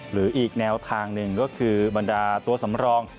หรืออีกแนวทางหนึ่งก็คือบรรดาตัวสำรอง